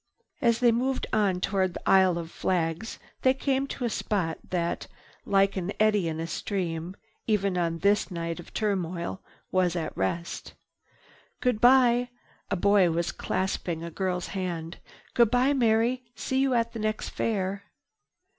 As they moved on toward the Aisle of Flags, they came to a spot that, like an eddy in a stream, even on this night of turmoil was at rest. "Goodbye." A boy was clasping a girl's hand. "Goodbye Mary. See you at the next Fair."